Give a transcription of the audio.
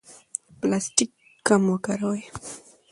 پلاستیک کم وکاروئ.